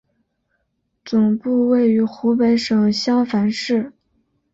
总部位于湖北省襄樊市。